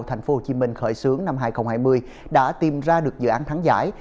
tp hcm khởi xướng năm hai nghìn hai mươi đã tìm ra được dự án thắng giải